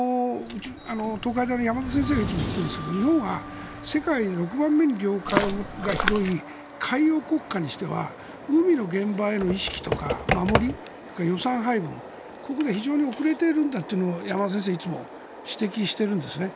東海大の山田先生がいつも言っているんですが日本は世界で６番目に領海が広い海洋国家にしては海の現場への意識とか守り、予算配分がここが非常に遅れているんだと山田先生はいつも指摘しているんですね。